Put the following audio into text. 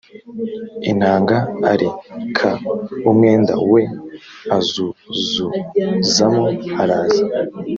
intanga ar ka umwenda we azuzuzamo araza